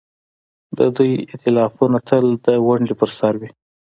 د دوی ائتلافونه تل د ونډې پر سر وي.